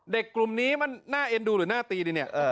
กลุ่มนี้มันน่าเอ็นดูหรือหน้าตีดีเนี่ย